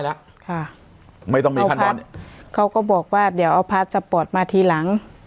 แล้วค่ะไม่ต้องมีขั้นตอนอีกเขาก็บอกว่าเดี๋ยวเอาพาสปอร์ตมาทีหลัง